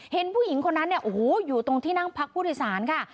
เห็นผู้หญิงคนนั้นอยู่ตรงที่นั่งพรรคพุทธศาลค่ะ